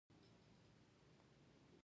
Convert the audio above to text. وایي پښتون اوس یې پاچا شو.